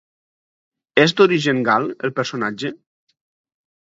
És d'origen gal el personatge?